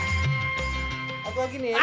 atuh lagi nih ya